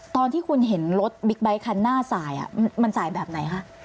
ตอนที่คุณเห็นรถบิ๊กไบท์คันหน้าสายมันสายแบบไหนคะ